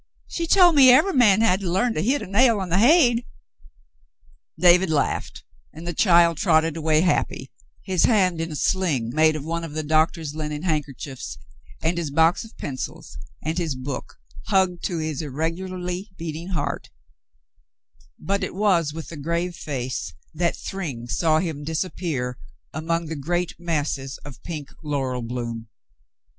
She tol' me eve'y man had to larn to hit a nail on the haid." Hoyle visits David 151 David laughed, and the child trotted away happy, his hand in a sling made of one of the doctor's linen hand kerchiefs, and his box of pencils and his book hugged to his irregularly beating heart ; but it was with a grave face that Thryng saw him disappear among the great masses of pink laurel bloom.